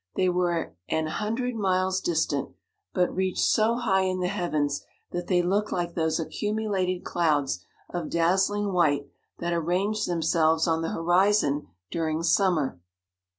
They were an hundred miles distant, but reach so high in the heavens, that they look like those accumulated clouds of dazzling white that arrange them selves on the horizon during summer.